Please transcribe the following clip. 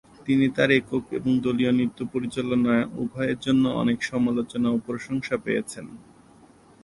তিনি তাঁর একক এবং দলীয় নৃত্য পরিচালনা উভয়ের জন্য অনেক সমালোচনা ও প্রশংসা পেয়েছেন।